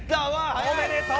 おめでとう！